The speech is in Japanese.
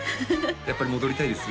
やっぱり戻りたいです？